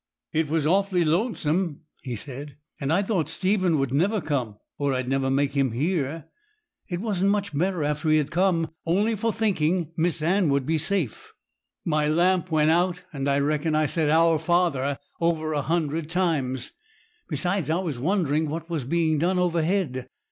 'It was awfully lonesome,' he said, 'and I thought Stephen would never come, or I'd never make him hear. It wasn't much better after he had come, only for thinking Miss Anne would be safe. My lamp went out, and I reckon I said "Our Father" over a hundred times. Besides, I was wondering what was being done overhead.